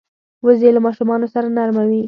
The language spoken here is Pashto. وزې له ماشومانو سره نرمه وي